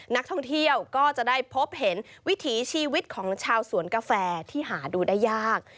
นักท่องเที่ยวก็จะได้พบเห็นวิถีชีวิตของชาวสวนกาแฟที่หาดูได้ยาก